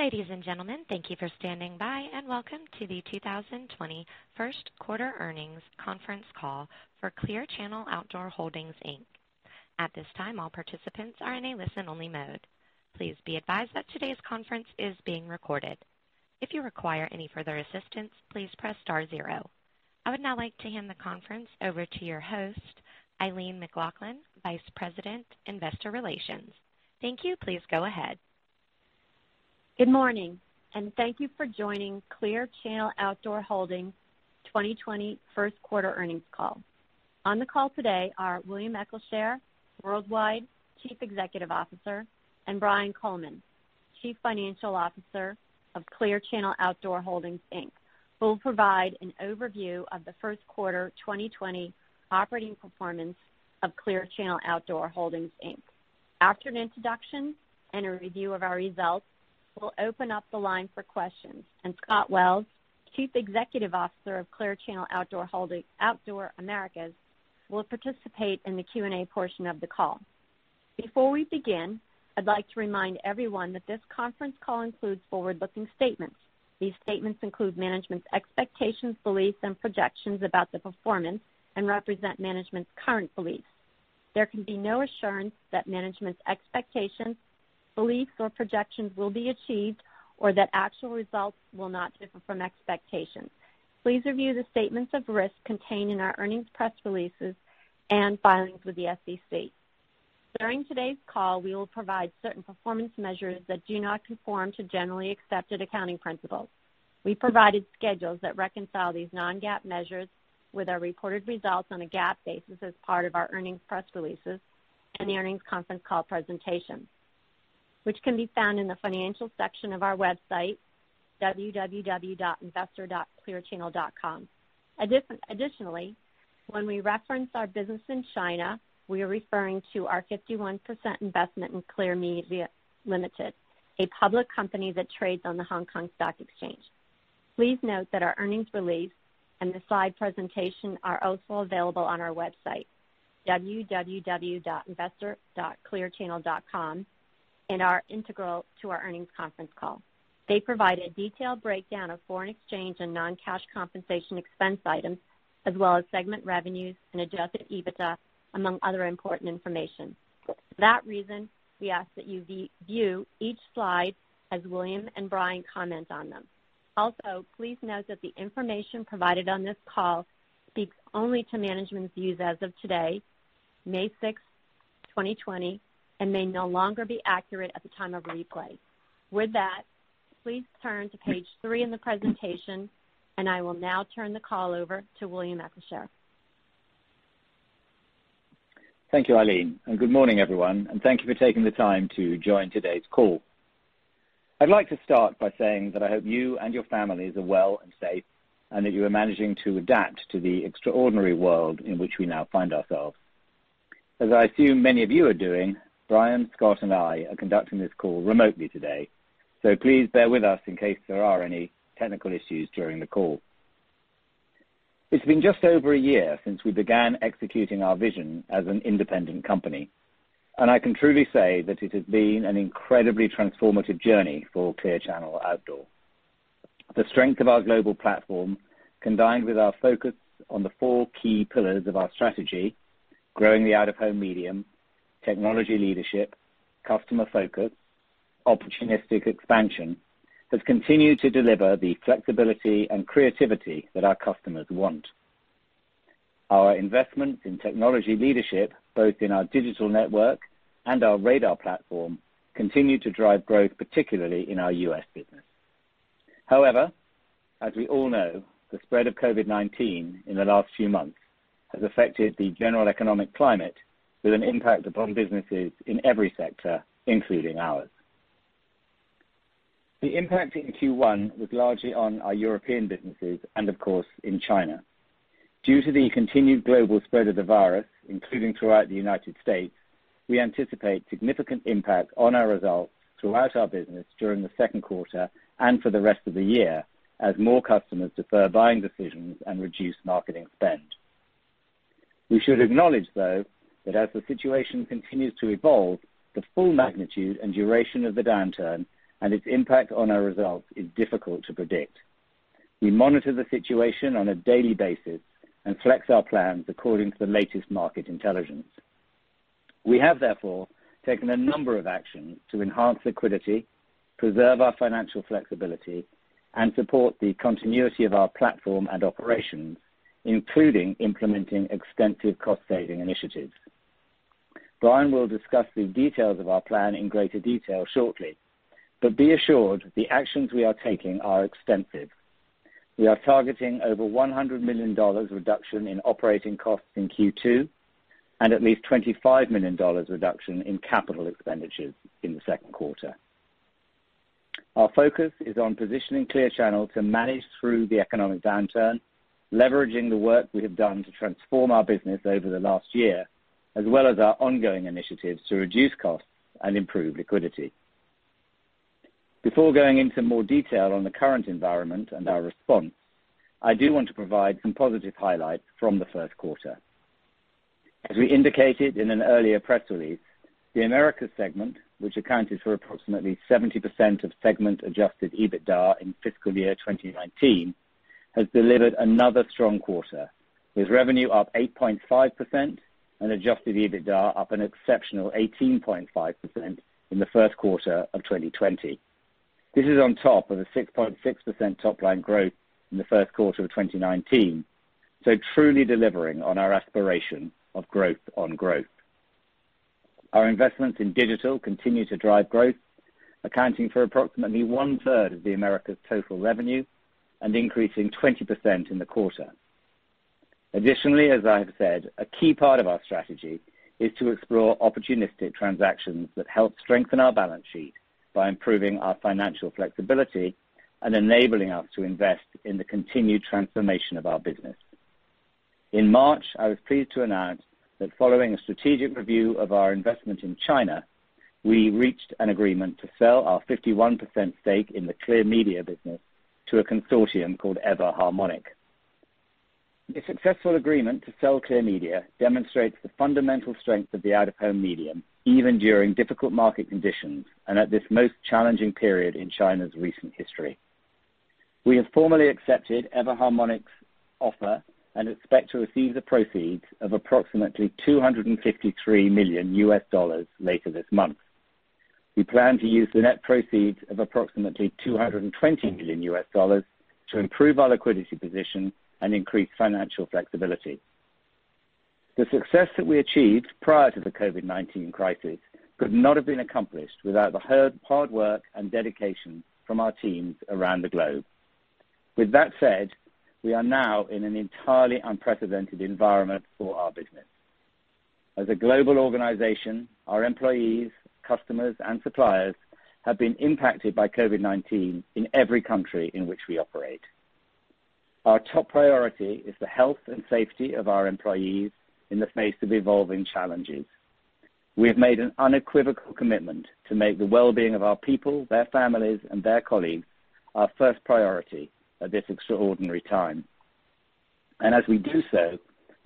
Ladies and gentlemen, thank you for standing by, and welcome to the 2020 first quarter earnings conference call for Clear Channel Outdoor Holdings, Inc. At this time, all participants are in a listen-only mode. Please be advised that today's conference is being recorded. If you require any further assistance, please press star zero. I would now like to hand the conference over to your host, Eileen McLaughlin, Vice President, Investor Relations. Thank you. Please go ahead. Good morning, thank you for joining Clear Channel Outdoor Holdings 2020 first quarter earnings call. On the call today are William Eccleshare, Worldwide Chief Executive Officer, and Brian Coleman, Chief Financial Officer of Clear Channel Outdoor Holdings, Inc. We'll provide an overview of the first quarter 2020 operating performance of Clear Channel Outdoor Holdings, Inc. After an introduction and a review of our results, we'll open up the line for questions, Scott Wells, Chief Executive Officer of Clear Channel Outdoor Americas, will participate in the Q&A portion of the call. Before we begin, I'd like to remind everyone that this conference call includes forward-looking statements. These statements include management's expectations, beliefs, and projections about the performance and represent management's current beliefs. There can be no assurance that management's expectations, beliefs, or projections will be achieved or that actual results will not differ from expectations. Please review the statements of risk contained in our earnings press releases and filings with the SEC. During today's call, we will provide certain performance measures that do not conform to Generally Accepted Accounting Principles. We provided schedules that reconcile these non-GAAP measures with our reported results on a GAAP basis as part of our earnings press releases and the earnings conference call presentations, which can be found in the financial section of our website, www.investor.clearchannel.com. Additionally, when we reference our business in China, we are referring to our 51% investment in Clear Media Limited, a public company that trades on the Hong Kong Stock Exchange. Please note that our earnings release and the slide presentation are also available on our website, www.investor.clearchannel.com, and are integral to our earnings conference call. They provide a detailed breakdown of foreign exchange and non-cash compensation expense items as well as segment revenues and adjusted EBITDA, among other important information. For that reason, we ask that you view each slide as William and Brian comment on them. Also, please note that the information provided on this call speaks only to management's views as of today, May 6, 2020, and may no longer be accurate at the time of replay. With that, please turn to page three in the presentation, and I will now turn the call over to William Eccleshare. Thank you, Eileen, and good morning, everyone, and thank you for taking the time to join today's call. I'd like to start by saying that I hope you and your families are well and safe, and that you are managing to adapt to the extraordinary world in which we now find ourselves. As I assume many of you are doing, Brian, Scott, and I are conducting this call remotely today, so please bear with us in case there are any technical issues during the call. It's been just over a year since we began executing our vision as an independent company, and I can truly say that it has been an incredibly transformative journey for Clear Channel Outdoor. The strength of our global platform, combined with our focus on the four key pillars of our strategy, growing the out-of-home medium, technology leadership, customer focus, opportunistic expansion, has continued to deliver the flexibility and creativity that our customers want. Our investments in technology leadership, both in our digital network and our RADAR platform, continue to drive growth, particularly in our U.S. business. However, as we all know, the spread of COVID-19 in the last few months has affected the general economic climate with an impact upon businesses in every sector, including ours. The impact in Q1 was largely on our European businesses and, of course, in China. Due to the continued global spread of the virus, including throughout the United States, we anticipate significant impact on our results throughout our business during the second quarter and for the rest of the year, as more customers defer buying decisions and reduce marketing spend. We should acknowledge, though, that as the situation continues to evolve, the full magnitude and duration of the downturn and its impact on our results is difficult to predict. We monitor the situation on a daily basis and flex our plans according to the latest market intelligence. We have, therefore, taken a number of actions to enhance liquidity, preserve our financial flexibility, and support the continuity of our platform and operations, including implementing extensive cost-saving initiatives. Brian will discuss the details of our plan in greater detail shortly, but be assured the actions we are taking are extensive. We are targeting over $100 million reduction in operating costs in Q2 and at least $25 million reduction in capital expenditures in the second quarter. Our focus is on positioning Clear Channel to manage through the economic downturn, leveraging the work we have done to transform our business over the last year, as well as our ongoing initiatives to reduce costs and improve liquidity. Before going into more detail on the current environment and our response, I do want to provide some positive highlights from the first quarter. As we indicated in an earlier press release, the Americas segment, which accounted for approximately 70% of segment adjusted EBITDA in fiscal year 2019, has delivered another strong quarter, with revenue up 8.5% and adjusted EBITDA up an exceptional 18.5% in the first quarter of 2020. This is on top of the 6.6% top-line growth in the first quarter of 2019, so truly delivering on our aspiration of growth on growth. Our investments in digital continue to drive growth, accounting for approximately one-third of the Americas' total revenue and increasing 20% in the quarter. As I have said, a key part of our strategy is to explore opportunistic transactions that help strengthen our balance sheet by improving our financial flexibility and enabling us to invest in the continued transformation of our business. In March, I was pleased to announce that following a strategic review of our investment in China, we reached an agreement to sell our 51% stake in the Clear Media business to a consortium called Ever Harmonic. The successful agreement to sell Clear Media demonstrates the fundamental strength of the out-of-home medium, even during difficult market conditions and at this most challenging period in China's recent history. We have formally accepted Ever Harmonic's offer and expect to receive the proceeds of approximately $253 million later this month. We plan to use the net proceeds of approximately $220 million to improve our liquidity position and increase financial flexibility. The success that we achieved prior to the COVID-19 crisis could not have been accomplished without the hard work and dedication from our teams around the globe. With that said, we are now in an entirely unprecedented environment for our business. As a global organization, our employees, customers, and suppliers have been impacted by COVID-19 in every country in which we operate. Our top priority is the health and safety of our employees in the face of evolving challenges. We have made an unequivocal commitment to make the well-being of our people, their families, and their colleagues our first priority at this extraordinary time. As we do so,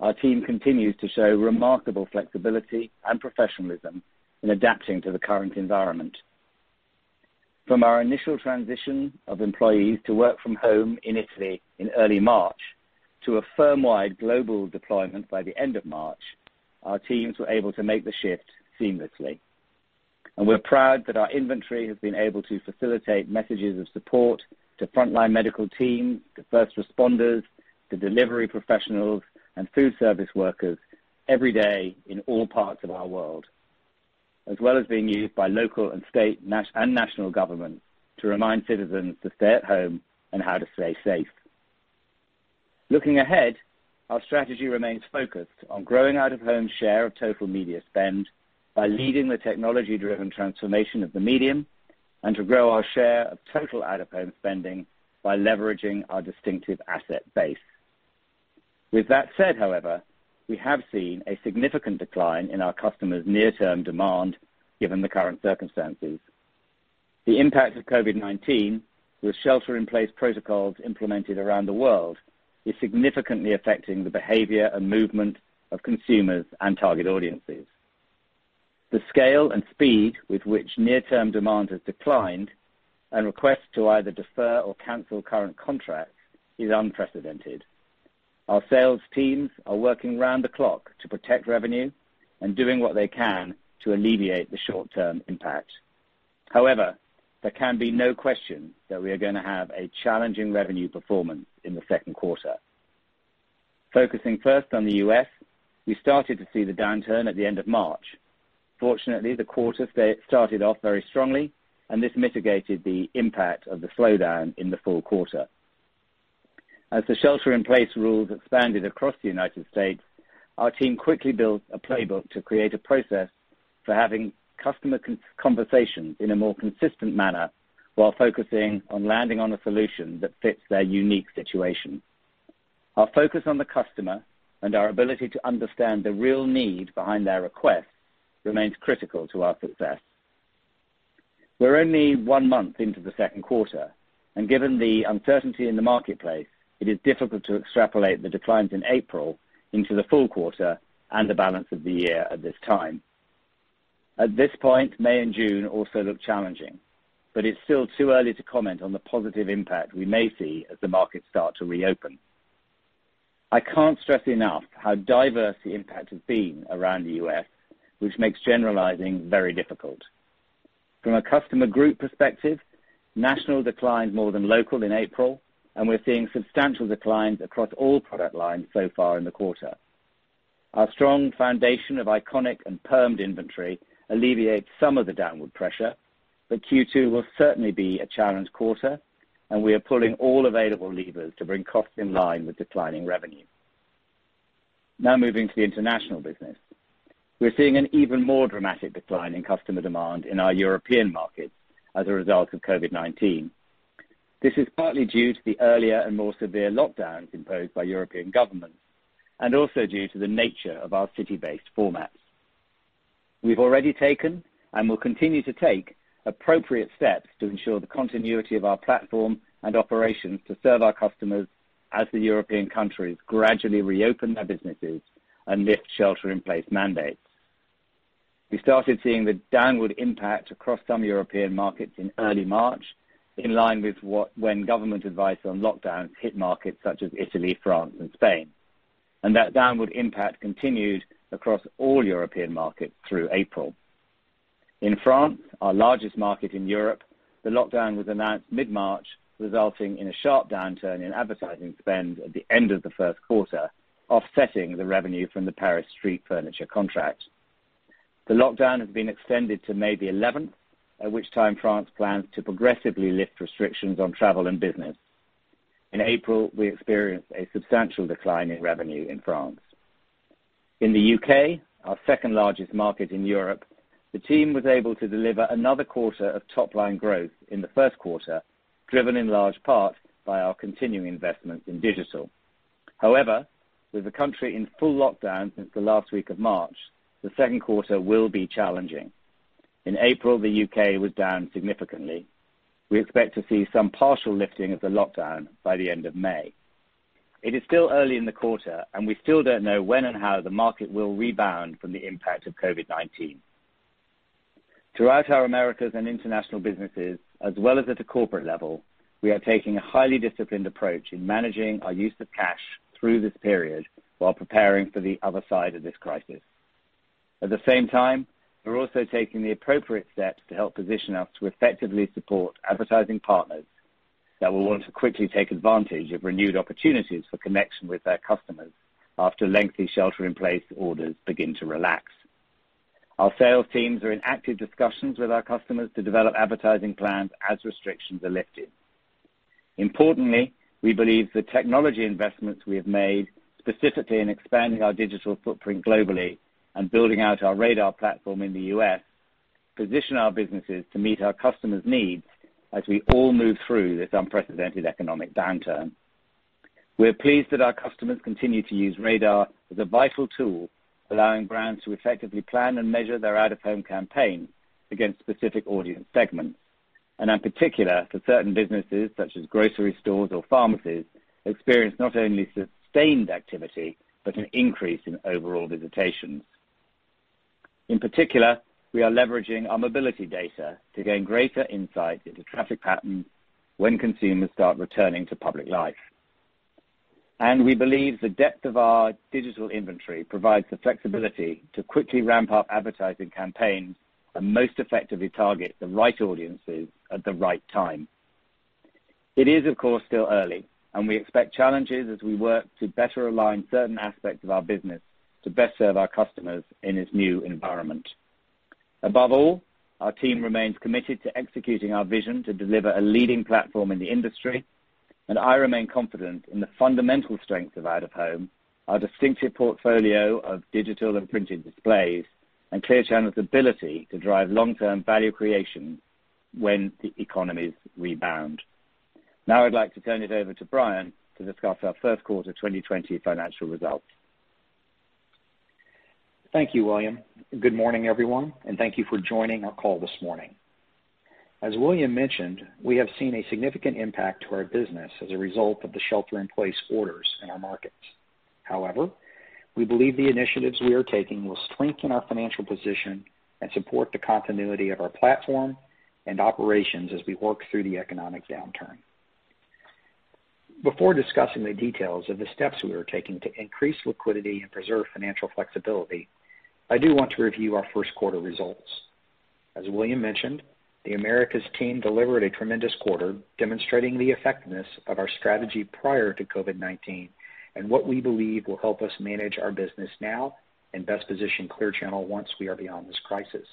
our team continues to show remarkable flexibility and professionalism in adapting to the current environment. From our initial transition of employees to work from home in Italy in early March to a firmwide global deployment by the end of March, our teams were able to make the shift seamlessly. We're proud that our inventory has been able to facilitate messages of support to frontline medical teams, to first responders, to delivery professionals, and food service workers every day in all parts of our world, as well as being used by local and state and national governments to remind citizens to stay at home and how to stay safe. Looking ahead, our strategy remains focused on growing out-of-home share of total media spend by leading the technology-driven transformation of the medium, and to grow our share of total out-of-home spending by leveraging our distinctive asset base. With that said, however, we have seen a significant decline in our customers' near-term demand, given the current circumstances. The impact of COVID-19, with shelter-in-place protocols implemented around the world, is significantly affecting the behavior and movement of consumers and target audiences. The scale and speed with which near-term demand has declined and requests to either defer or cancel current contracts is unprecedented. Our sales teams are working round the clock to protect revenue and doing what they can to alleviate the short-term impact. There can be no question that we are going to have a challenging revenue performance in the second quarter. Focusing first on the U.S., we started to see the downturn at the end of March. Fortunately, the quarter started off very strongly, and this mitigated the impact of the slowdown in the full quarter. As the shelter-in-place rules expanded across the United States, our team quickly built a playbook to create a process for having customer conversations in a more consistent manner while focusing on landing on a solution that fits their unique situation. Our focus on the customer and our ability to understand the real need behind their request remains critical to our success. We're only one month into the second quarter, and given the uncertainty in the marketplace, it is difficult to extrapolate the declines in April into the full quarter and the balance of the year at this time. At this point, May and June also look challenging, but it's still too early to comment on the positive impact we may see as the markets start to reopen. I can't stress enough how diverse the impact has been around the U.S., which makes generalizing very difficult. From a customer group perspective, national declined more than local in April, and we're seeing substantial declines across all product lines so far in the quarter. Our strong foundation of iconic and permanent inventory alleviates some of the downward pressure, but Q2 will certainly be a challenged quarter, and we are pulling all available levers to bring costs in line with declining revenue. Now moving to the international business. We're seeing an even more dramatic decline in customer demand in our European markets as a result of COVID-19. This is partly due to the earlier and more severe lockdowns imposed by European governments, and also due to the nature of our city-based formats. We've already taken, and will continue to take appropriate steps to ensure the continuity of our platform and operations to serve our customers as the European countries gradually reopen their businesses and lift shelter-in-place mandates. We started seeing the downward impact across some European markets in early March, in line with when government advice on lockdowns hit markets such as Italy, France, and Spain. That downward impact continued across all European markets through April. In France, our largest market in Europe, the lockdown was announced mid-March, resulting in a sharp downturn in advertising spend at the end of the first quarter, offsetting the revenue from the Paris street furniture contract. The lockdown has been extended to May the 11th, at which time France plans to progressively lift restrictions on travel and business. In April, we experienced a substantial decline in revenue in France. In the U.K., our second largest market in Europe, the team was able to deliver another quarter of top-line growth in the first quarter, driven in large part by our continuing investments in digital. With the country in full lockdown since the last week of March, the second quarter will be challenging. In April, the U.K. was down significantly. We expect to see some partial lifting of the lockdown by the end of May. It is still early in the quarter, and we still don't know when and how the market will rebound from the impact of COVID-19. Throughout our Americas and international businesses, as well as at a corporate level, we are taking a highly disciplined approach in managing our use of cash through this period while preparing for the other side of this crisis. At the same time, we're also taking the appropriate steps to help position us to effectively support advertising partners that will want to quickly take advantage of renewed opportunities for connection with their customers after lengthy shelter-in-place orders begin to relax. Our sales teams are in active discussions with our customers to develop advertising plans as restrictions are lifted. Importantly, we believe the technology investments we have made, specifically in expanding our digital footprint globally and building out our RADAR platform in the U.S., position our businesses to meet our customers' needs as we all move through this unprecedented economic downturn. We're pleased that our customers continue to use RADAR as a vital tool, allowing brands to effectively plan and measure their out-of-home campaign against specific audience segments. In particular, for certain businesses such as grocery stores or pharmacies, experience not only sustained activity, but an increase in overall visitations. In particular, we are leveraging our mobility data to gain greater insight into traffic patterns when consumers start returning to public life. We believe the depth of our digital inventory provides the flexibility to quickly ramp up advertising campaigns and most effectively target the right audiences at the right time. It is, of course, still early, and we expect challenges as we work to better align certain aspects of our business to best serve our customers in this new environment. Above all, our team remains committed to executing our vision to deliver a leading platform in the industry, and I remain confident in the fundamental strength of out-of-home, our distinctive portfolio of digital and printed displays, and Clear Channel's ability to drive long-term value creation when the economies rebound. Now I'd like to turn it over to Brian to discuss our first quarter 2020 financial results. Thank you, William. Good morning, everyone, and thank you for joining our call this morning. As William mentioned, we have seen a significant impact to our business as a result of the shelter-in-place orders in our markets. However, we believe the initiatives we are taking will strengthen our financial position and support the continuity of our platform and operations as we work through the economic downturn. Before discussing the details of the steps we are taking to increase liquidity and preserve financial flexibility, I do want to review our first quarter results. As William mentioned, the Americas team delivered a tremendous quarter, demonstrating the effectiveness of our strategy prior to COVID-19, and what we believe will help us manage our business now and best position Clear Channel once we are beyond this crisis.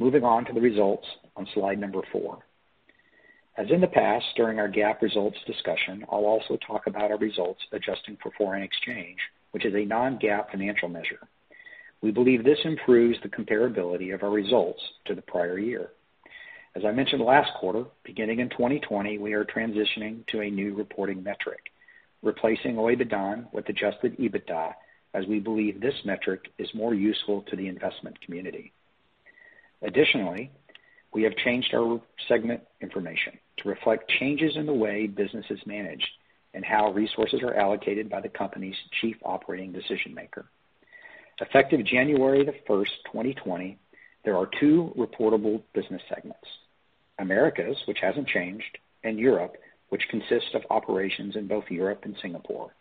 Moving on to the results on slide number four. As in the past during our GAAP results discussion, I will also talk about our results adjusting for foreign exchange, which is a non-GAAP financial measure. We believe this improves the comparability of our results to the prior year. As I mentioned last quarter, beginning in 2020, we are transitioning to a new reporting metric, replacing OIBDAN with adjusted EBITDA, as we believe this metric is more useful to the investment community. Additionally, we have changed our segment information to reflect changes in the way business is managed and how resources are allocated by the company's chief operating decision-maker. Effective January the 1st, 2020, there are two reportable business segments. Americas, which hasn't changed, and Europe, which consists of operations in both Europe and Singapore.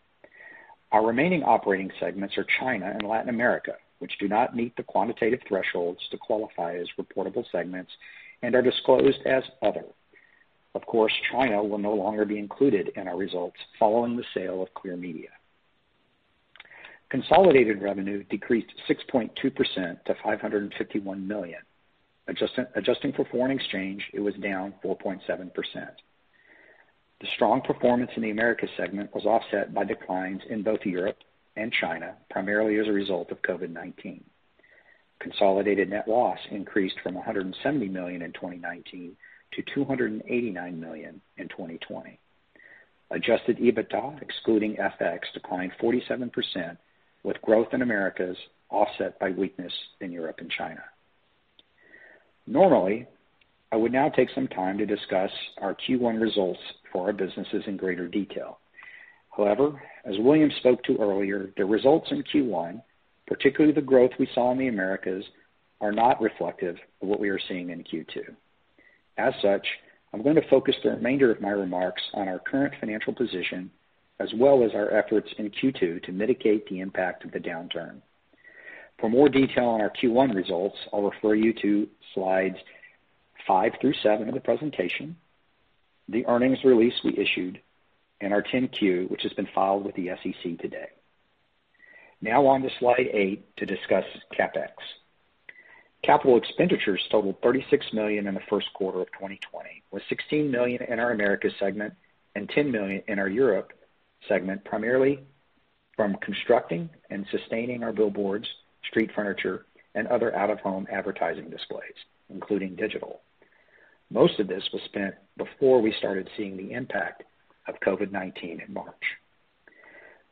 Our remaining operating segments are China and Latin America, which do not meet the quantitative thresholds to qualify as reportable segments and are disclosed as Other. Of course, China will no longer be included in our results following the sale of Clear Media. Consolidated revenue decreased 6.2% to $551 million. Adjusting for foreign exchange, it was down 4.7%. The strong performance in the Americas segment was offset by declines in both Europe and China, primarily as a result of COVID-19. Consolidated net loss increased from $170 million in 2019 to $289 million in 2020. Adjusted EBITDA, excluding FX, declined 47%, with growth in Americas offset by weakness in Europe and China. Normally, I would now take some time to discuss our Q1 results for our businesses in greater detail. However, as William spoke to earlier, the results in Q1, particularly the growth we saw in the Americas, are not reflective of what we are seeing in Q2. As such, I'm going to focus the remainder of my remarks on our current financial position, as well as our efforts in Q2 to mitigate the impact of the downturn. For more detail on our Q1 results, I'll refer you to slides five through seven of the presentation, the earnings release we issued, and our 10-Q, which has been filed with the SEC today. On to slide eight to discuss CapEx. Capital expenditures totaled $36 million in the first quarter of 2020, with $16 million in our Americas segment and $10 million in our Europe segment, primarily from constructing and sustaining our billboards, street furniture, and other out-of-home advertising displays, including digital. Most of this was spent before we started seeing the impact of COVID-19 in March.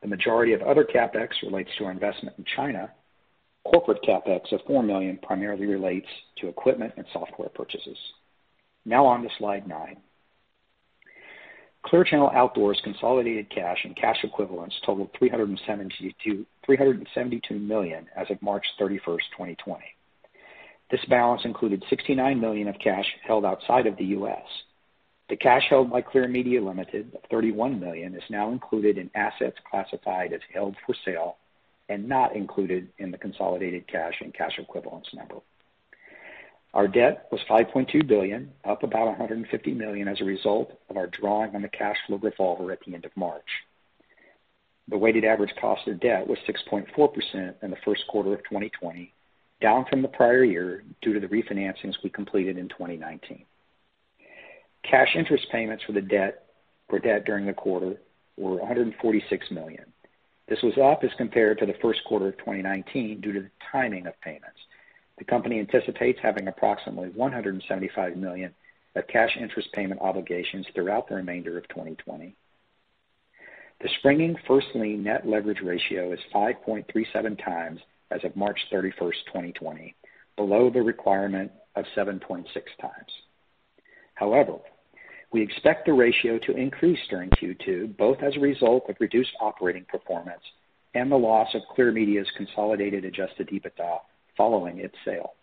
The majority of other CapEx relates to our investment in China. Corporate CapEx of $4 million primarily relates to equipment and software purchases. Now on to slide nine. Clear Channel Outdoor's consolidated cash and cash equivalents totaled $372 million as of March 31st, 2020. This balance included $69 million of cash held outside of the U.S. The cash held by Clear Media Limited of $31 million is now included in assets classified as held for sale and not included in the consolidated cash and cash equivalents number. Our debt was $5.2 billion, up about $150 million as a result of our drawing on the cash flow revolver at the end of March. The weighted average cost of debt was 6.4% in the first quarter of 2020, down from the prior year due to the refinancings we completed in 2019. Cash interest payments for debt during the quarter were $146 million. This was up as compared to the first quarter of 2019 due to the timing of payments. The company anticipates having approximately $175 million of cash interest payment obligations throughout the remainder of 2020. The springing first lien net leverage ratio is 5.37x as of March 31st, 2020, below the requirement of 7.6x. We expect the ratio to increase during Q2, both as a result of reduced operating performance and the loss of Clear Media's consolidated adjusted EBITDA following its sale.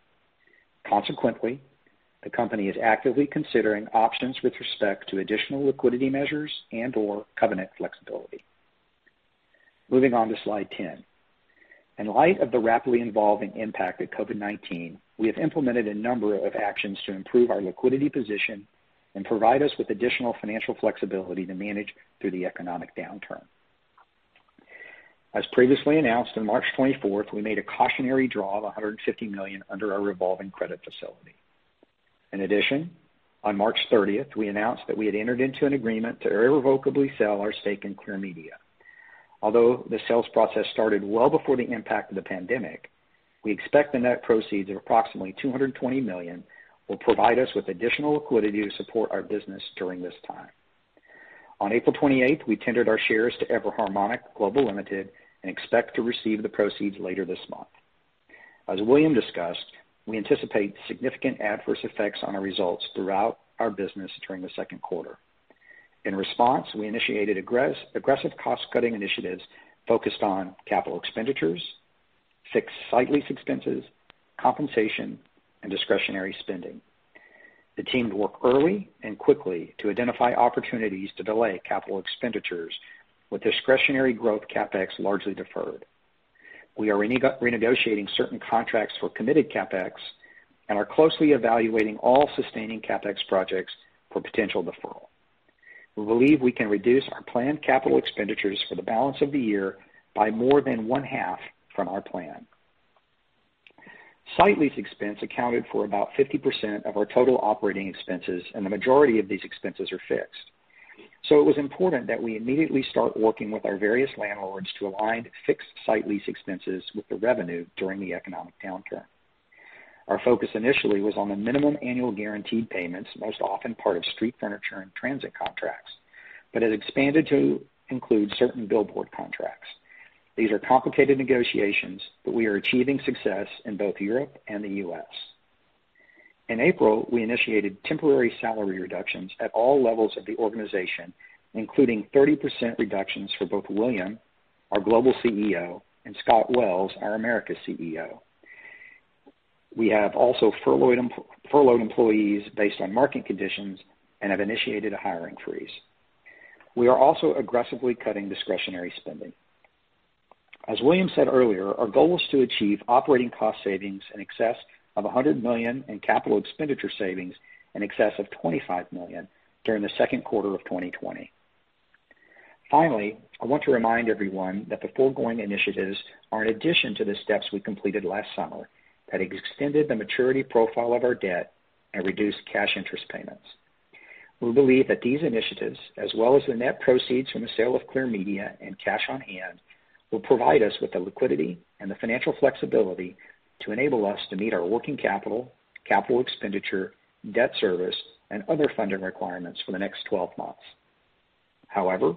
The company is actively considering options with respect to additional liquidity measures and/or covenant flexibility. Moving on to slide 10. In light of the rapidly evolving impact of COVID-19, we have implemented a number of actions to improve our liquidity position and provide us with additional financial flexibility to manage through the economic downturn. As previously announced, on March 24th, we made a cautionary draw of $150 million under our revolving credit facility. In addition, on March 30th, we announced that we had entered into an agreement to irrevocably sell our stake in Clear Media. Although the sales process started well before the impact of the pandemic, we expect the net proceeds of approximately $220 million will provide us with additional liquidity to support our business during this time. On April 28th, we tendered our shares to Ever Harmonic Global Limited and expect to receive the proceeds later this month. As William discussed, we anticipate significant adverse effects on our results throughout our business during the second quarter. In response, we initiated aggressive cost-cutting initiatives focused on capital expenditures, fixed site lease expenses, compensation, and discretionary spending. The team worked early and quickly to identify opportunities to delay capital expenditures, with discretionary growth CapEx largely deferred. We are renegotiating certain contracts for committed CapEx and are closely evaluating all sustaining CapEx projects for potential deferral. We believe we can reduce our planned capital expenditures for the balance of the year by more than one half from our plan. Site lease expense accounted for about 50% of our total operating expenses, and the majority of these expenses are fixed. It was important that we immediately start working with our various landlords to align fixed site lease expenses with the revenue during the economic downturn. Our focus initially was on the minimum annual guaranteed payments, most often part of street furniture and transit contracts, but it expanded to include certain billboard contracts. These are complicated negotiations, but we are achieving success in both Europe and the U.S. In April, we initiated temporary salary reductions at all levels of the organization, including 30% reductions for both William, our Global CEO, and Scott Wells, our Americas CEO. We have also furloughed employees based on market conditions and have initiated a hiring freeze. We are also aggressively cutting discretionary spending. As William said earlier, our goal is to achieve operating cost savings in excess of $100 million and CapEx savings in excess of $25 million during the second quarter of 2020. Finally, I want to remind everyone that the foregoing initiatives are in addition to the steps we completed last summer that extended the maturity profile of our debt and reduced cash interest payments. We believe that these initiatives, as well as the net proceeds from the sale of Clear Media and cash on hand will provide us with the liquidity and the financial flexibility to enable us to meet our working capital expenditure, debt service, and other funding requirements for the next 12 months. However,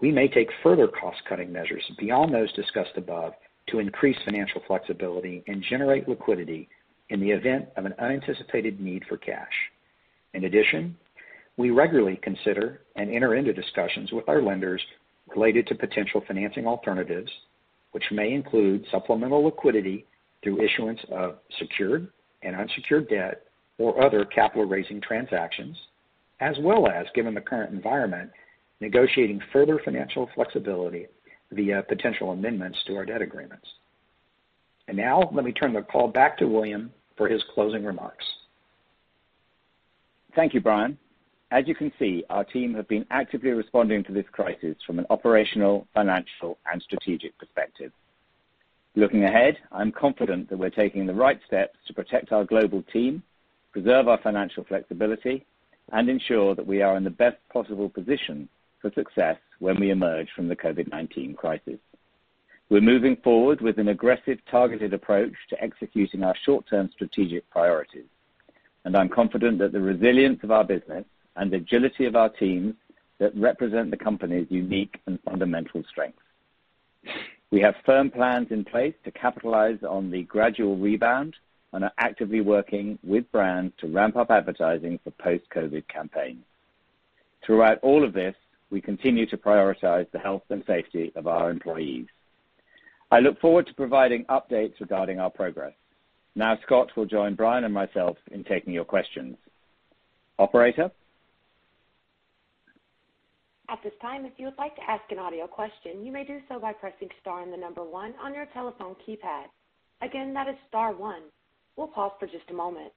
we may take further cost-cutting measures beyond those discussed above to increase financial flexibility and generate liquidity in the event of an unanticipated need for cash. In addition, we regularly consider and enter into discussions with our lenders related to potential financing alternatives, which may include supplemental liquidity through issuance of secured and unsecured debt or other capital-raising transactions, as well as, given the current environment, negotiating further financial flexibility via potential amendments to our debt agreements. Now let me turn the call back to William for his closing remarks. Thank you, Brian. As you can see, our team have been actively responding to this crisis from an operational, financial, and strategic perspective. Looking ahead, I'm confident that we're taking the right steps to protect our global team, preserve our financial flexibility, and ensure that we are in the best possible position for success when we emerge from the COVID-19 crisis. We're moving forward with an aggressive, targeted approach to executing our short-term strategic priorities. I'm confident that the resilience of our business and agility of our teams that represent the company's unique and fundamental strengths. We have firm plans in place to capitalize on the gradual rebound and are actively working with brands to ramp up advertising for post-COVID campaigns. Throughout all of this, we continue to prioritize the health and safety of our employees. I look forward to providing updates regarding our progress. Scott will join Brian and myself in taking your questions. Operator? At this time, if you would like to ask an audio question, you may do so by pressing star and the number one on your telephone keypad. Again, that is star one. We'll pause for just a moment.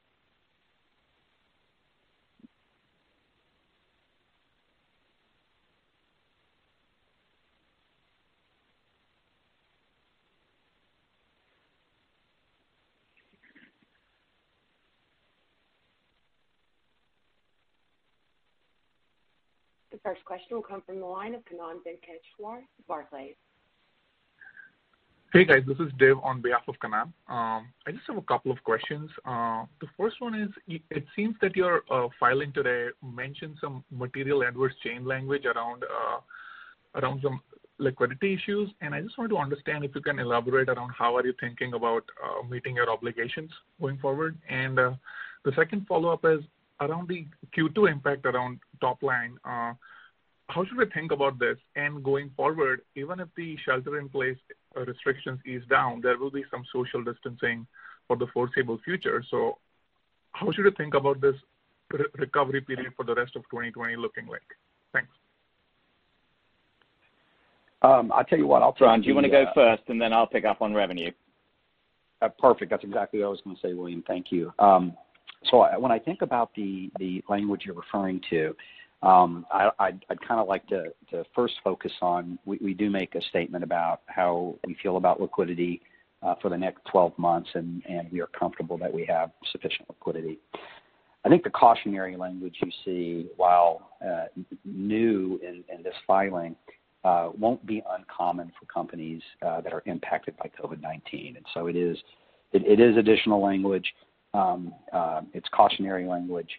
The first question will come from the line of Kannan Venkateshwar, Barclays. Hey, guys. This is Dev on behalf of Kannan. I just have a couple of questions. The first one is, it seems that your filing today mentioned some material adverse change language around some liquidity issues, and I just wanted to understand if you can elaborate around how are you thinking about meeting your obligations going forward. The second follow-up is around the Q2 impact around top line. How should we think about this? Going forward, even if the shelter-in-place restrictions ease down, there will be some social distancing for the foreseeable future. How should we think about this recovery period for the rest of 2020 looking like? Thanks. I'll tell you what, I'll take. Brian, do you want to go first, and then I'll pick up on revenue? Perfect. That's exactly what I was going to say, William. Thank you. When I think about the language you're referring to, I'd kind of like to first focus on, we do make a statement about how we feel about liquidity for the next 12 months, and we are comfortable that we have sufficient liquidity. I think the cautionary language you see, while new in this filing, won't be uncommon for companies that are impacted by COVID-19. It is additional language. It's cautionary language.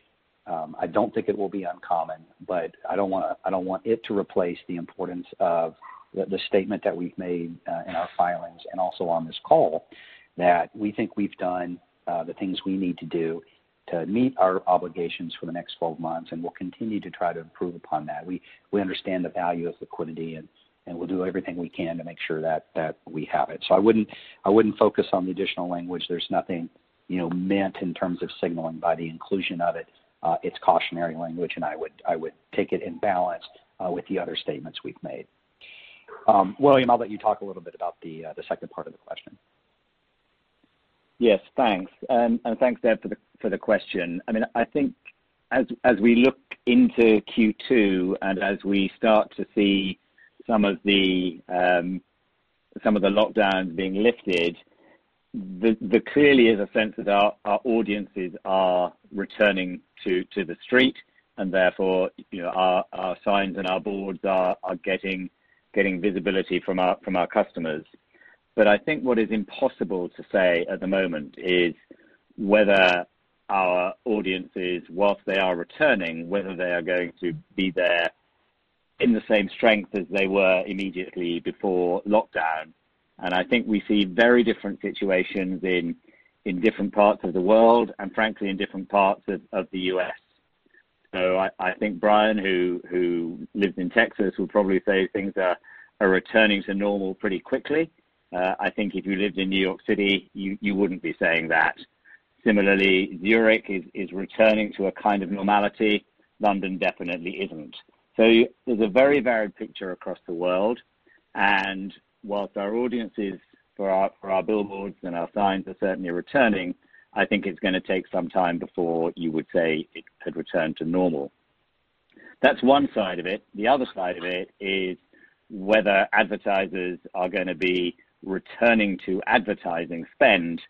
I don't think it will be uncommon, but I don't want it to replace the importance of the statement that we've made in our filings and also on this call, that we think we've done the things we need to do to meet our obligations for the next 12 months, and we'll continue to try to improve upon that. We understand the value of liquidity, and we'll do everything we can to make sure that we have it. I wouldn't focus on the additional language. There's nothing meant in terms of signaling by the inclusion of it. It's cautionary language, and I would take it in balance with the other statements we've made. William, I'll let you talk a little bit about the second part of the question. Yes. Thanks. Thanks, Dev, for the question. I think as we look into Q2 and as we start to see some of the lockdowns being lifted, there clearly is a sense that our audiences are returning to the street, and therefore, our signs and our boards are getting visibility from our customers. I think what is impossible to say at the moment is whether our audiences, whilst they are returning, whether they are going to be there in the same strength as they were immediately before lockdown. I think we see very different situations in different parts of the world and frankly, in different parts of the U.S. I think Brian, who lives in Texas, would probably say things are returning to normal pretty quickly. I think if you lived in New York City, you wouldn't be saying that. Similarly, Zurich is returning to a kind of normality. London definitely isn't. There's a very varied picture across the world, and whilst our audiences for our billboards and our signs are certainly returning, I think it's going to take some time before you would say it had returned to normal. That's one side of it. The other side of it is whether advertisers are going to be returning to advertising spend,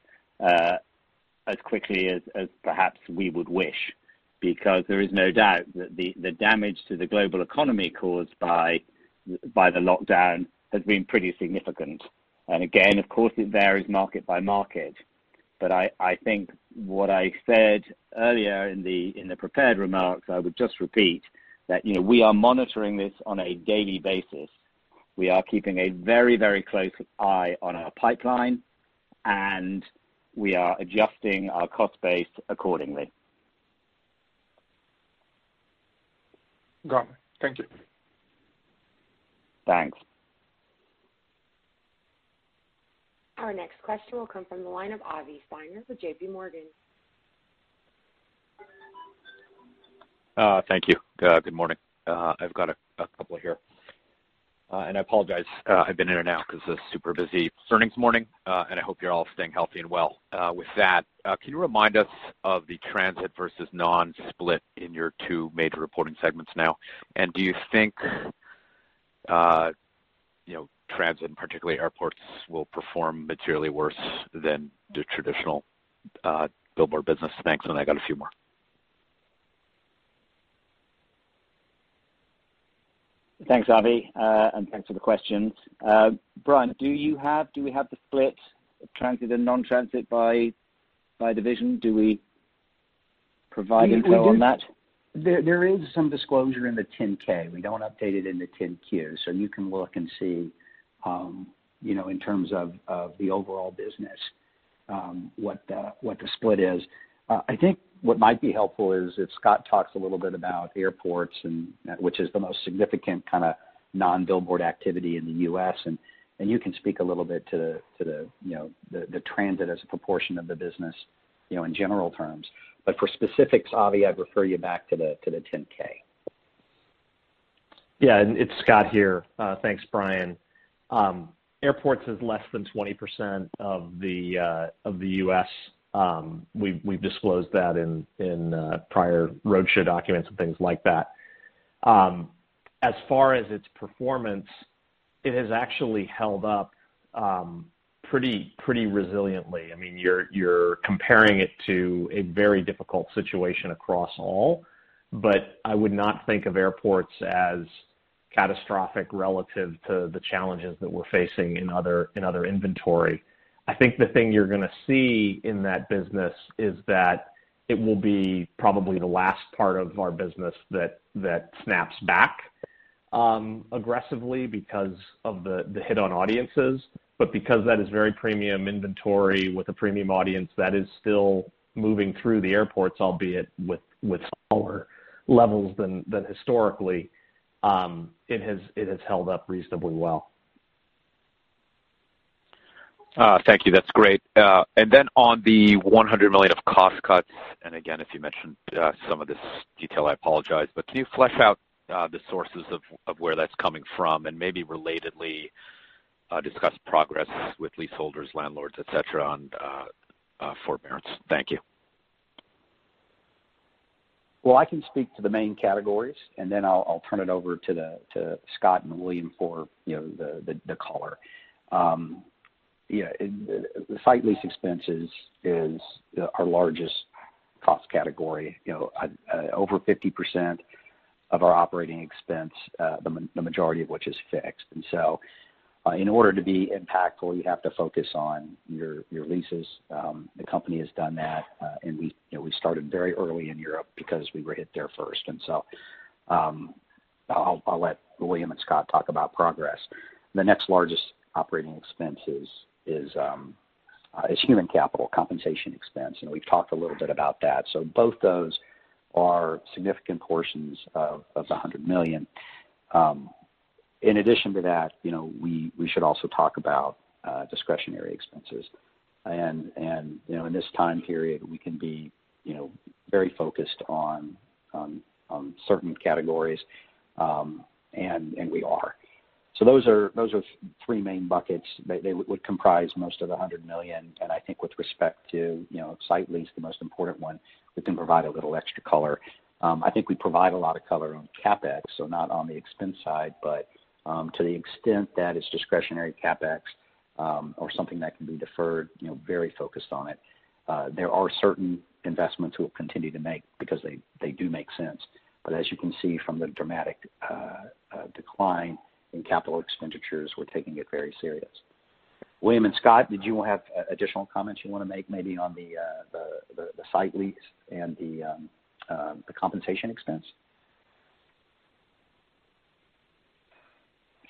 as quickly as perhaps we would wish, because there is no doubt that the damage to the global economy caused by the lockdown has been pretty significant. Again, of course it varies market by market. I think what I said earlier in the prepared remarks, I would just repeat, that we are monitoring this on a daily basis. We are keeping a very close eye on our pipeline, and we are adjusting our cost base accordingly. Got it. Thank you. Thanks. Our next question will come from the line of Avi Steiner with JPMorgan. Thank you. Good morning. I've got a couple here. I apologize, I've been in and out because it's super busy earnings morning, and I hope you're all staying healthy and well. With that, can you remind us of the transit versus non-split in your two major reporting segments now? Do you think transit, and particularly airports, will perform materially worse than the traditional billboard business? Thanks. I got a few more. Thanks, Avi, and thanks for the questions. Brian, do we have the split of transit and non-transit by division? Do we provide info on that? There is some disclosure in the 10-K. We don't update it in the 10-Q. You can look and see, in terms of the overall business, what the split is. I think what might be helpful is if Scott talks a little bit about airports, which is the most significant kind of non-billboard activity in the U.S., and you can speak a little bit to the transit as a proportion of the business in general terms. For specifics, Avi, I'd refer you back to the 10-K. Yeah. It's Scott here. Thanks, Brian. Airports is less than 20% of the U.S. We've disclosed that in prior roadshow documents and things like that. As far as its performance, it has actually held up pretty resiliently. You're comparing it to a very difficult situation across all, but I would not think of airports as catastrophic relative to the challenges that we're facing in other inventory. I think the thing you're going to see in that business is that it will be probably the last part of our business that snaps back aggressively because of the hit on audiences. Because that is very premium inventory with a premium audience that is still moving through the airports, albeit with smaller levels than historically, it has held up reasonably well. Thank you. That's great. Then on the $100 million of cost cuts, again, if you mentioned some of this detail, I apologize, but can you flesh out the sources of where that's coming from and maybe relatedly discuss progress with leaseholders, landlords, et cetera, on forbearance? Thank you. Well, I can speak to the main categories, and then I'll turn it over to Scott and William for the color. Site lease expenses is our largest cost category. Over 50% of our operating expense, the majority of which is fixed. In order to be impactful, you have to focus on your leases. The company has done that. We started very early in Europe because we were hit there first, and so I'll let William and Scott talk about progress. The next largest operating expense is human capital, compensation expense, and we've talked a little bit about that. Both those are significant portions of the $100 million. In addition to that, we should also talk about discretionary expenses. In this time period, we can be very focused on certain categories, and we are. Those are three main buckets that would comprise most of the $100 million, and I think with respect to site lease, the most important one, we can provide a little extra color. I think we provide a lot of color on CapEx, so not on the expense side, but to the extent that it's discretionary CapEx or something that can be deferred, very focused on it. There are certain investments we'll continue to make because they do make sense. As you can see from the dramatic decline in capital expenditures, we're taking it very serious. William and Scott, did you have additional comments you want to make, maybe on the site lease and the compensation expense?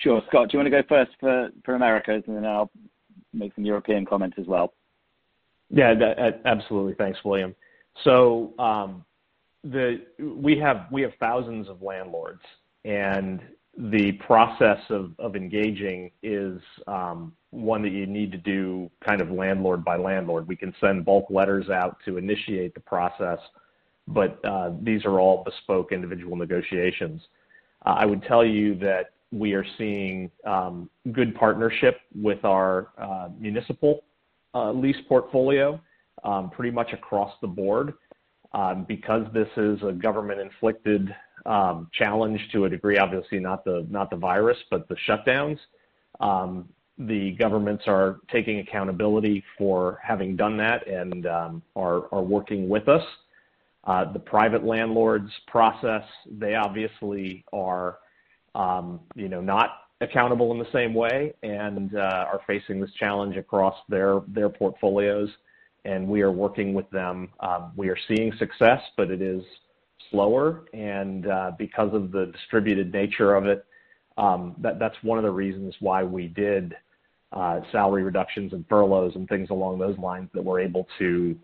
Sure. Scott, do you want to go first for Americas, and then I'll make some European comments as well. Yeah. Absolutely. Thanks, William. We have thousands of landlords, and the process of engaging is one that you need to do kind of landlord by landlord. We can send bulk letters out to initiate the process, but these are all bespoke individual negotiations. I would tell you that we are seeing good partnership with our municipal lease portfolio, pretty much across the board. Because this is a government inflicted challenge to a degree, obviously not the virus, but the shutdowns. The governments are taking accountability for having done that and are working with us. The private landlords process, they obviously are not accountable in the same way and are facing this challenge across their portfolios, and we are working with them. We are seeing success, but it is slower and because of the distributed nature of it, that's one of the reasons why we did salary reductions and furloughs and things along those lines that we're able to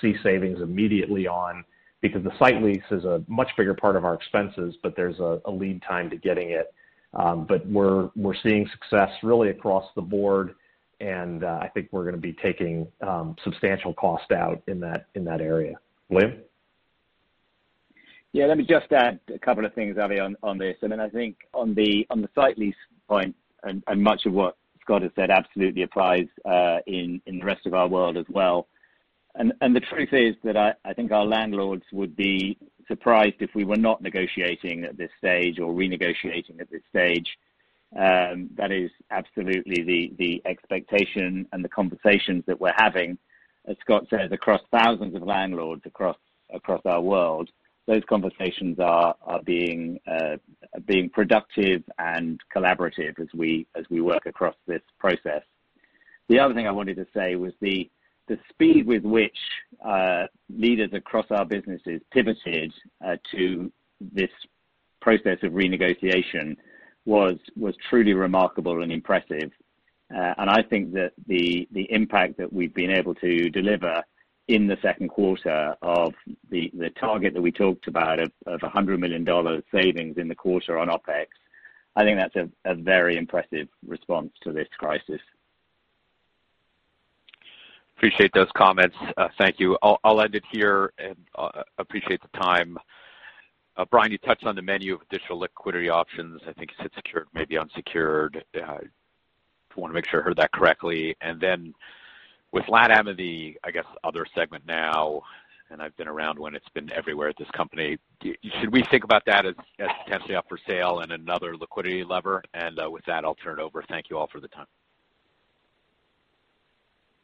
see savings immediately on. The site lease is a much bigger part of our expenses, but there's a lead time to getting it. We're seeing success really across the board, and I think we're going to be taking substantial cost out in that area. William? Yeah, let me just add a couple of things, Avi, on this. I think on the site lease point, much of what Scott has said absolutely applies in the rest of our world as well. The truth is that I think our landlords would be surprised if we were not negotiating at this stage or renegotiating at this stage. That is absolutely the expectation and the conversations that we're having, as Scott says, across thousands of landlords across our world. Those conversations are being productive and collaborative as we work across this process. The other thing I wanted to say was the speed with which leaders across our businesses pivoted to this process of renegotiation was truly remarkable and impressive. I think that the impact that we've been able to deliver in the second quarter of the target that we talked about of $100 million savings in the quarter on OpEx, I think that's a very impressive response to this crisis. Appreciate those comments. Thank you. I'll end it here. Appreciate the time. Brian, you touched on the menu of additional liquidity options. I think you said secured, maybe unsecured. I want to make sure I heard that correctly. Then with LATAM the, I guess, other segment now, and I've been around when it's been everywhere at this company, should we think about that as potentially up for sale and another liquidity lever? With that, I'll turn it over. Thank you all for the time.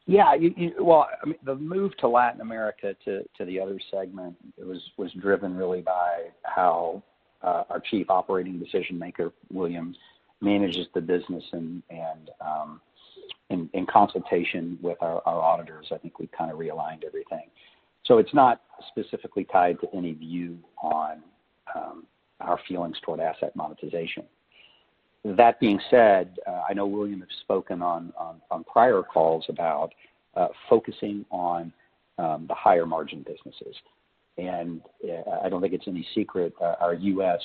Well, the move to Latin America to the other segment was driven really by how our chief operating decision-maker, William, manages the business, and in consultation with our auditors, I think we've kind of realigned everything. It's not specifically tied to any view on our feelings toward asset monetization. That being said, I know William has spoken on prior calls about focusing on the higher margin businesses. I don't think it's any secret our U.S.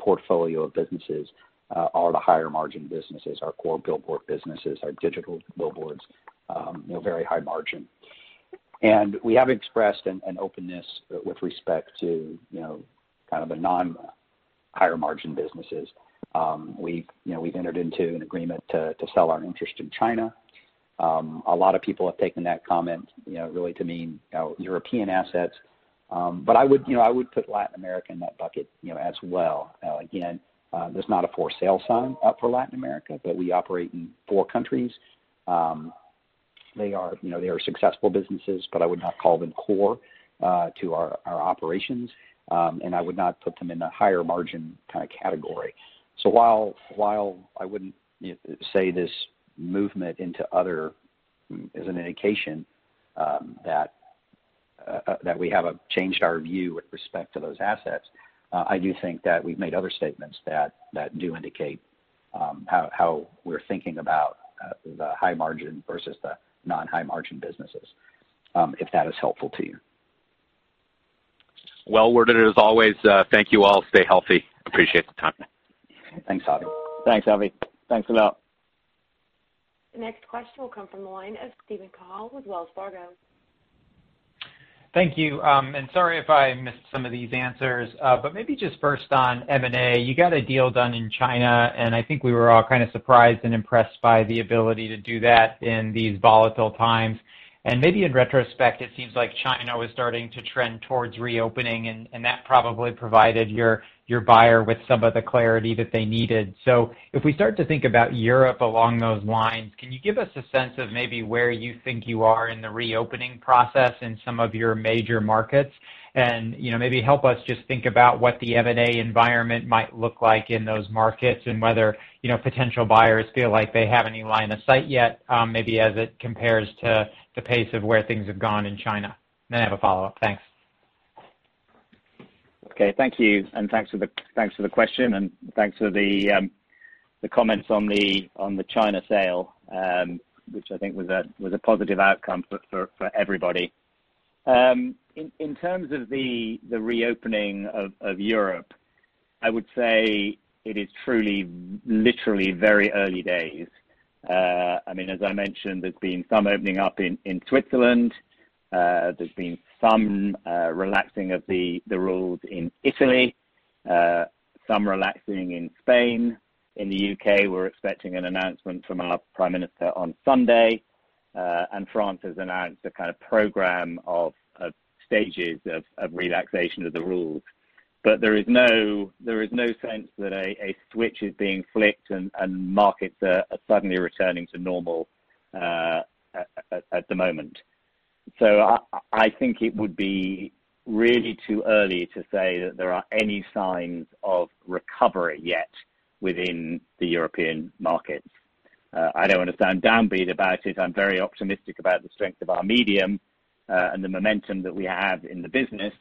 portfolio of businesses are the higher margin businesses, our core billboard businesses, our digital billboards, very high margin. We have expressed an openness with respect to kind of a non higher margin businesses. We've entered into an agreement to sell our interest in China. A lot of people have taken that comment really to mean European assets. I would put Latin America in that bucket as well. There's not a for sale sign up for Latin America, but we operate in four countries. They are successful businesses, but I would not call them core to our operations, and I would not put them in a higher margin kind of category. While I wouldn't say this movement into other is an indication that we have changed our view with respect to those assets, I do think that we've made other statements that do indicate how we're thinking about the high margin versus the non-high margin businesses. If that is helpful to you. Well-worded as always. Thank you all. Stay healthy. Appreciate the time. Thanks, Avi. Thanks, Avi. Thanks a lot. The next question will come from the line of Steven Cahall with Wells Fargo. Thank you. Sorry if I missed some of these answers. Maybe just first on M&A. You got a deal done in China, and I think we were all kind of surprised and impressed by the ability to do that in these volatile times. Maybe in retrospect, it seems like China was starting to trend towards reopening, and that probably provided your buyer with some of the clarity that they needed. If we start to think about Europe along those lines, can you give us a sense of maybe where you think you are in the reopening process in some of your major markets? Maybe help us just think about what the M&A environment might look like in those markets and whether potential buyers feel like they have any line of sight yet, maybe as it compares to the pace of where things have gone in China. I have a follow-up. Thanks. Okay. Thank you, and thanks for the question, and thanks for the comments on the China sale, which I think was a positive outcome for everybody. In terms of the reopening of Europe, I would say it is truly, literally very early days. As I mentioned, there's been some opening up in Switzerland. There's been some relaxing of the rules in Italy, some relaxing in Spain. In the U.K., we're expecting an announcement from our prime minister on Sunday. France has announced a kind of program of stages of relaxation of the rules. There is no sense that a switch is being flipped and markets are suddenly returning to normal at the moment. I think it would be really too early to say that there are any signs of recovery yet within the European markets. I don't want to sound downbeat about it. I'm very optimistic about the strength of our medium and the momentum that we have in the business.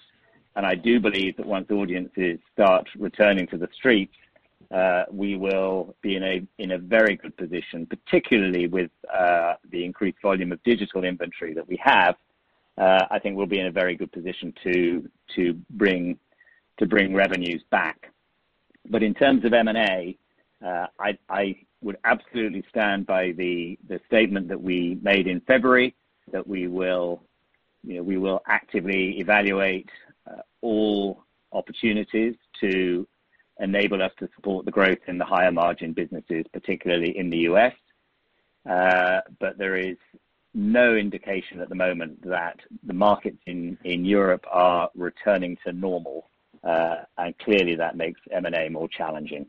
I do believe that once audiences start returning to the streets, we will be in a very good position, particularly with the increased volume of digital inventory that we have. I think we'll be in a very good position to bring revenues back. In terms of M&A, I would absolutely stand by the statement that we made in February that we will actively evaluate all opportunities to enable us to support the growth in the higher margin businesses, particularly in the U.S. There is no indication at the moment that the markets in Europe are returning to normal. Clearly that makes M&A more challenging.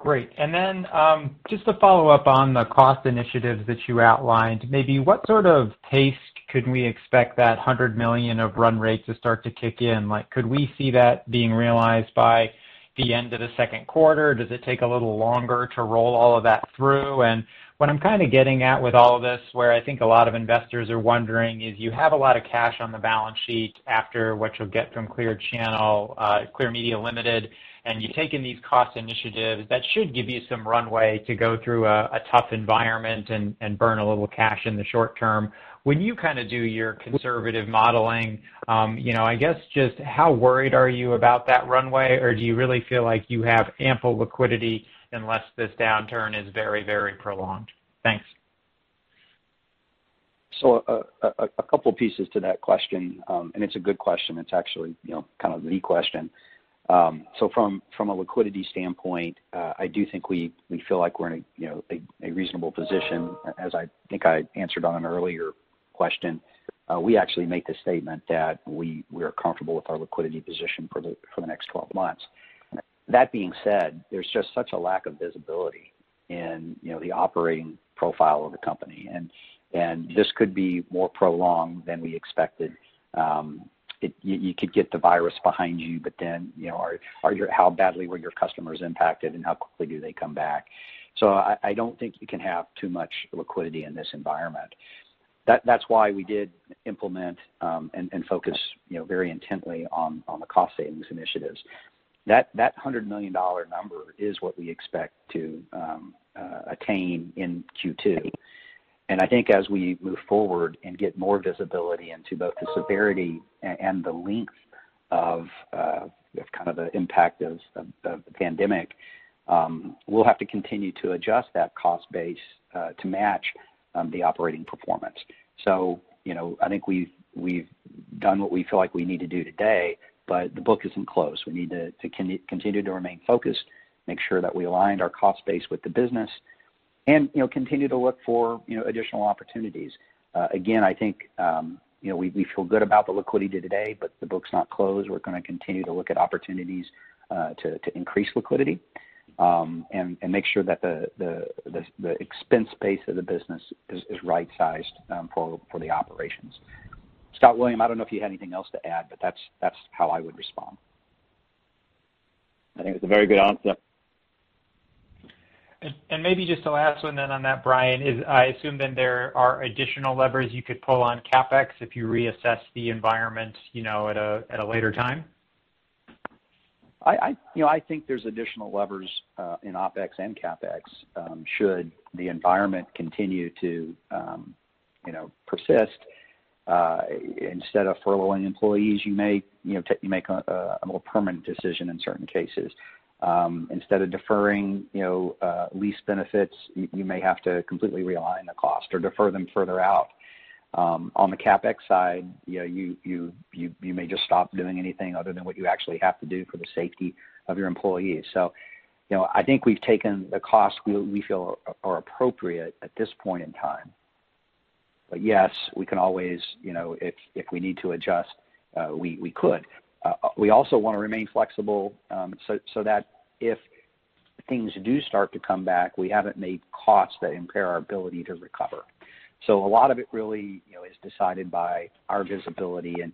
Great. Just to follow up on the cost initiatives that you outlined, maybe what sort of pace could we expect that $100 million of run rate to start to kick in? Could we see that being realized by the end of the second quarter? Does it take a little longer to roll all of that through? What I'm kind of getting at with all of this, where I think a lot of investors are wondering, is you have a lot of cash on the balance sheet after what you'll get from Clear Channel Outdoor, Clear Media Limited, and you've taken these cost initiatives, that should give you some runway to go through a tough environment and burn a little cash in the short term. When you do your conservative modeling, I guess just how worried are you about that runway, or do you really feel like you have ample liquidity unless this downturn is very prolonged? Thanks. A couple pieces to that question, and it's a good question. It's actually kind of the question. From a liquidity standpoint, I do think we feel like we're in a reasonable position. As I think I answered on an earlier question, we actually make the statement that we are comfortable with our liquidity position for the next 12 months. That being said, there's just such a lack of visibility in the operating profile of the company, and this could be more prolonged than we expected. You could get the virus behind you, but then how badly were your customers impacted and how quickly do they come back? I don't think you can have too much liquidity in this environment. That's why we did implement and focus very intently on the cost savings initiatives. That $100 million number is what we expect to attain in Q2. I think as we move forward and get more visibility into both the severity and the length of the impact of the pandemic, we'll have to continue to adjust that cost base to match the operating performance. I think we've done what we feel like we need to do today, but the book isn't closed. We need to continue to remain focused, make sure that we aligned our cost base with the business and continue to look for additional opportunities. Again, I think we feel good about the liquidity today, but the book's not closed. We're going to continue to look at opportunities to increase liquidity and make sure that the expense base of the business is right-sized for the operations. Scott, William, I don't know if you had anything else to add, but that's how I would respond. I think it's a very good answer. Maybe just the last one then on that, Brian, is I assume then there are additional levers you could pull on CapEx if you reassess the environment at a later time? I think there's additional levers in OpEx and CapEx should the environment continue to persist. Instead of furloughing employees, you make a more permanent decision in certain cases. Instead of deferring lease benefits, you may have to completely realign the cost or defer them further out. On the CapEx side, you may just stop doing anything other than what you actually have to do for the safety of your employees. I think we've taken the costs we feel are appropriate at this point in time. Yes, we can always, if we need to adjust, we could. We also want to remain flexible so that if things do start to come back, we haven't made cuts that impair our ability to recover. A lot of it really is decided by our visibility, and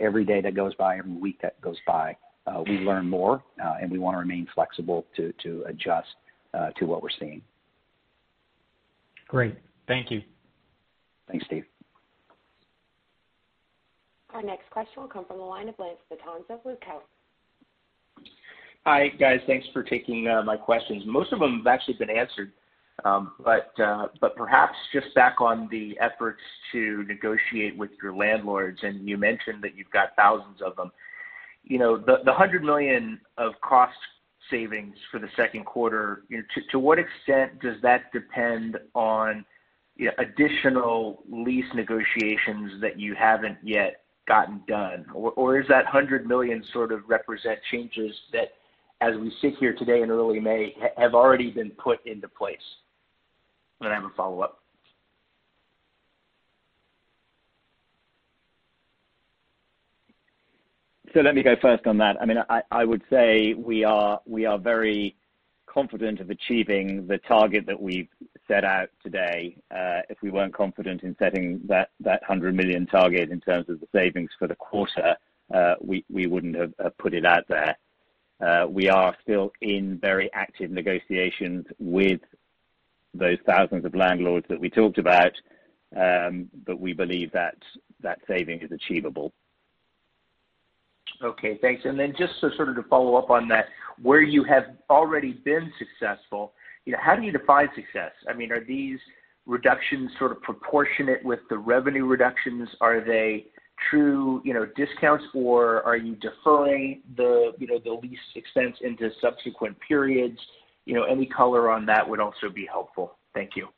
every day that goes by, every week that goes by, we learn more, and we want to remain flexible to adjust to what we're seeing. Great. Thank you. Thanks, Steve. Our next question will come from the line of Lance Vitanza of Cowen. Hi, guys. Thanks for taking my questions. Most of them have actually been answered. Perhaps just back on the efforts to negotiate with your landlords, and you mentioned that you've got thousands of them. The $100 million of cost savings for the second quarter, to what extent does that depend on additional lease negotiations that you haven't yet gotten done? Does that $100 million sort of represent changes that, as we sit here today in early May, have already been put into place. I have a follow-up. Let me go first on that. I would say we are very confident of achieving the target that we've set out today. If we weren't confident in setting that $100 million target in terms of the savings for the quarter, we wouldn't have put it out there. We are still in very active negotiations with those thousands of landlords that we talked about, but we believe that saving is achievable. Okay, thanks. Then just to sort of follow up on that, where you have already been successful, how do you define success? Are these reductions sort of proportionate with the revenue reductions? Are they true discounts or are you deferring the lease expense into subsequent periods? Any color on that would also be helpful. Thank you.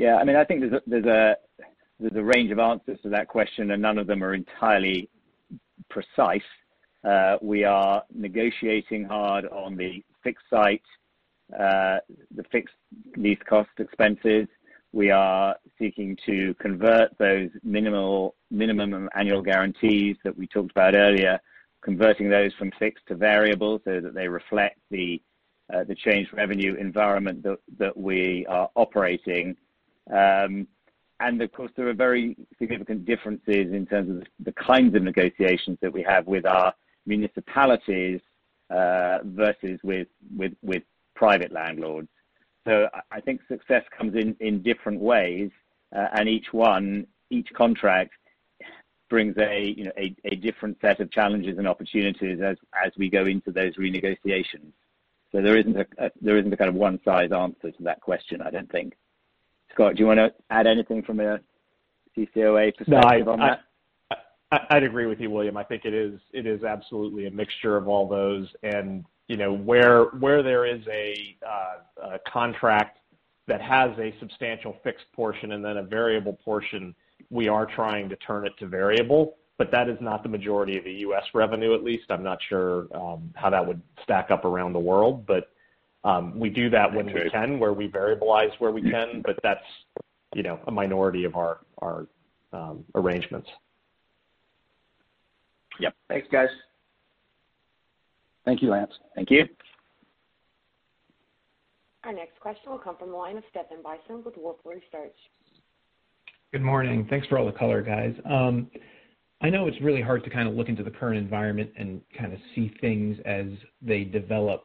I think there's a range of answers to that question, and none of them are entirely precise. We are negotiating hard on the fixed site, the fixed lease cost expenses. We are seeking to convert those minimum annual guarantees that we talked about earlier, converting those from fixed to variable so that they reflect the changed revenue environment that we are operating. Of course, there are very significant differences in terms of the kinds of negotiations that we have with our municipalities versus with private landlords. I think success comes in different ways, and each contract brings a different set of challenges and opportunities as we go into those renegotiations. There isn't a kind of one-size answer to that question, I don't think. Scott, do you want to add anything from a CCOA perspective on that? No, I'd agree with you, William. I think it is absolutely a mixture of all those, and where there is a contract that has a substantial fixed portion and then a variable portion, we are trying to turn it to variable, but that is not the majority of the U.S. revenue, at least. I'm not sure how that would stack up around the world. We do that when we can, where we variabilize where we can, but that's a minority of our arrangements. Yeah. Thanks, guys. Thank you, Lance. Thank you. Our next question will come from the line of Stephan Bisson with Wolfe Research. Good morning. Thanks for all the color, guys. I know it's really hard to kind of look into the current environment and kind of see things as they develop.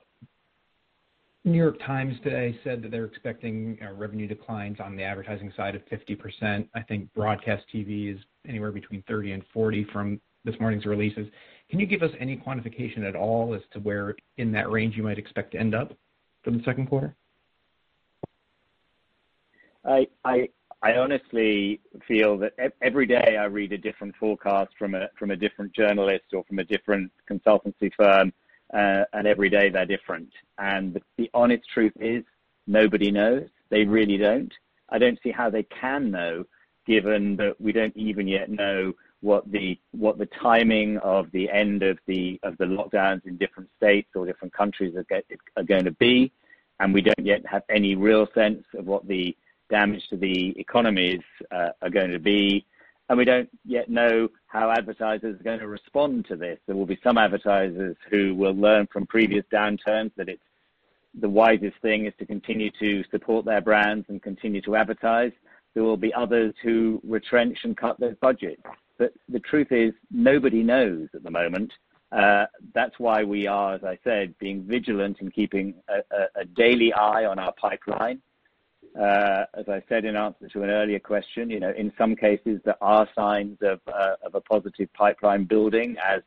New York Times today said that they're expecting revenue declines on the advertising side of 50%. I think broadcast TV is anywhere between 30% and 40% from this morning's releases. Can you give us any quantification at all as to where in that range you might expect to end up for the second quarter? I honestly feel that every day I read a different forecast from a different journalist or from a different consultancy firm, every day they're different. The honest truth is, nobody knows. They really don't. I don't see how they can know, given that we don't even yet know what the timing of the end of the lockdowns in different states or different countries are going to be. We don't yet have any real sense of what the damage to the economies are going to be. We don't yet know how advertisers are going to respond to this. There will be some advertisers who will learn from previous downturns that the wisest thing is to continue to support their brands and continue to advertise. There will be others who retrench and cut those budgets. The truth is, nobody knows at the moment. That's why we are, as I said, being vigilant in keeping a daily eye on our pipeline. As I said in answer to an earlier question, in some cases, there are signs of a positive pipeline building as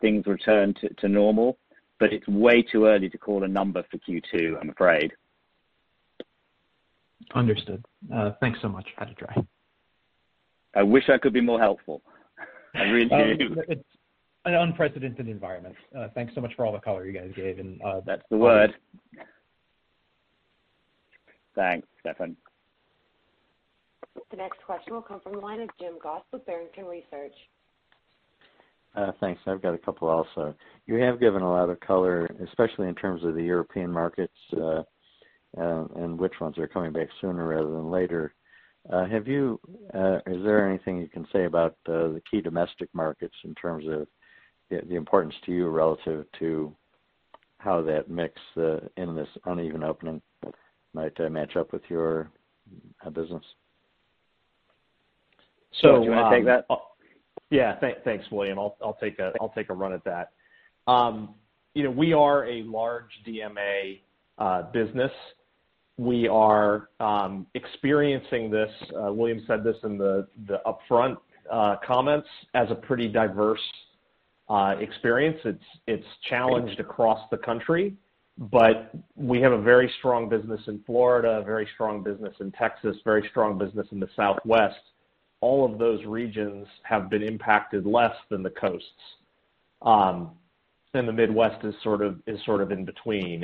things return to normal. It's way too early to call a number for Q2, I'm afraid. Understood. Thanks so much. Had to try. I wish I could be more helpful. I really do. It's an unprecedented environment. Thanks so much for all the color you guys gave. That's the word. Thanks, Stephan. The next question will come from the line of Jim Goss with Barrington Research. Thanks. I've got a couple also. You have given a lot of color, especially in terms of the European markets, and which ones are coming back sooner rather than later. Is there anything you can say about the key domestic markets in terms of the importance to you relative to how that mix in this uneven opening might match up with your business? Scott, do you want to take that? Yeah. Thanks, William. I'll take a run at that. We are a large DMA business. We are experiencing this, William said this in the upfront comments, as a pretty diverse experience. It's challenged across the country, but we have a very strong business in Florida, a very strong business in Texas, a very strong business in the Southwest. All of those regions have been impacted less than the coasts. The Midwest is sort of in between.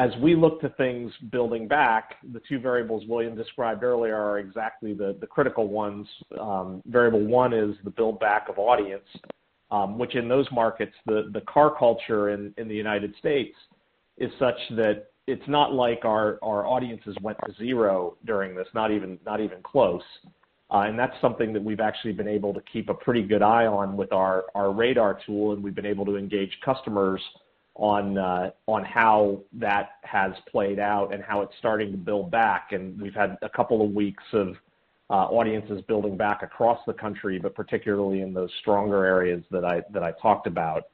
As we look to things building back, the two variables William described earlier are exactly the critical ones. Variable one is the build back of audience, which in those markets, the car culture in the United States is such that it's not like our audiences went to zero during this, not even close. That's something that we've actually been able to keep a pretty good eye on with our RADAR tool, and we've been able to engage customers on how that has played out and how it's starting to build back. We've had a couple of weeks of audiences building back across the country, but particularly in those stronger areas that I talked about.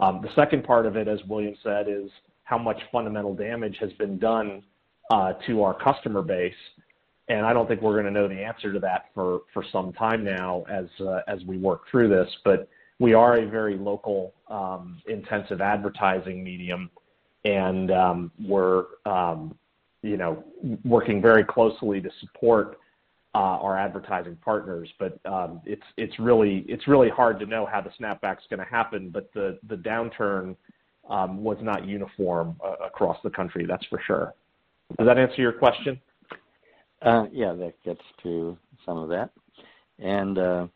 The second part of it, as William said, is how much fundamental damage has been done to our customer base. I don't think we're going to know the answer to that for some time now as we work through this. We are a very local, intensive advertising medium, and we're working very closely to support our advertising partners. It's really hard to know how the snapback's going to happen, but the downturn was not uniform across the country, that's for sure. Does that answer your question? Yeah, that gets to some of that.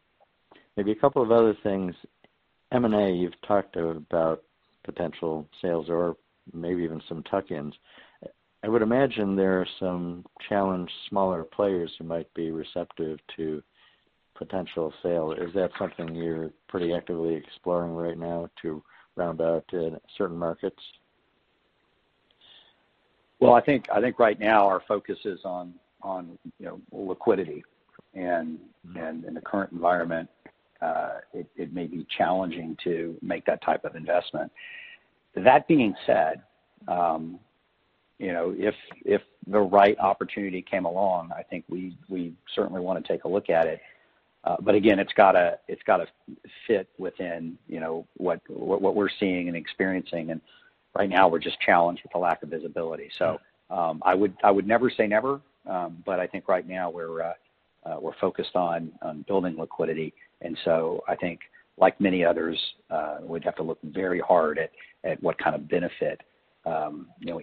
Maybe a couple other things. M&A, you've talked about potential sales or maybe even some tuck-ins. I would imagine there are some challenged smaller players who might be receptive to potential sale. Is that something you're pretty actively exploring right now to round out certain markets? Well, I think right now our focus is on liquidity. In the current environment, it may be challenging to make that type of investment. That being said, if the right opportunity came along, I think we'd certainly want to take a look at it. Again, it's got to fit within what we're seeing and experiencing, and right now we're just challenged with the lack of visibility. I would never say never, but I think right now we're focused on building liquidity, and so I think, like many others, we'd have to look very hard at what kind of benefit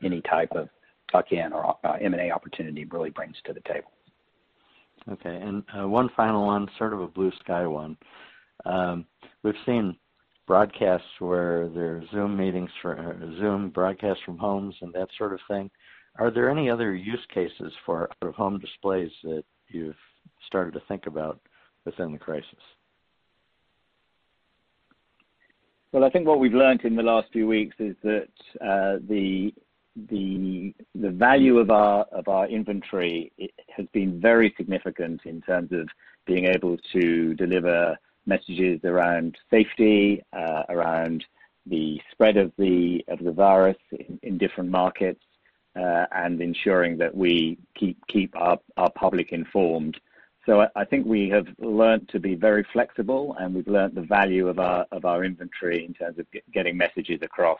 any type of tuck-in or M&A opportunity really brings to the table. Okay. One final one, sort of a blue sky one. We've seen broadcasts where there's Zoom broadcasts from homes and that sort of thing. Are there any other use cases for out-of-home displays that you've started to think about within the crisis? I think what we've learned in the last few weeks is that the value of our inventory has been very significant in terms of being able to deliver messages around safety, around the spread of the virus in different markets, and ensuring that we keep our public informed. I think we have learned to be very flexible, and we've learned the value of our inventory in terms of getting messages across.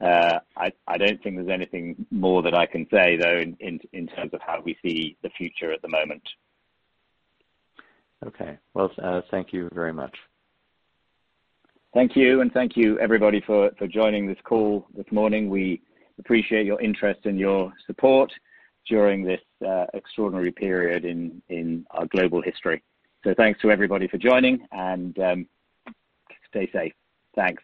I don't think there's anything more that I can say, though, in terms of how we see the future at the moment. Okay. Well, thank you very much. Thank you, and thank you everybody for joining this call this morning. We appreciate your interest and your support during this extraordinary period in our global history. Thanks to everybody for joining, and stay safe. Thanks.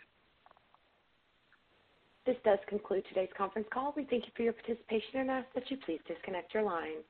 This does conclude today's conference call. We thank you for your participation and ask that you please disconnect your line.